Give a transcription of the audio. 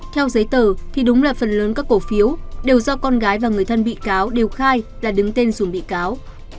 theo giấy tờ thì đúng là phần lớn các cổ phiếu đều do con gái và người thân bị cáo đều khai là đứng tên dùng bị cáo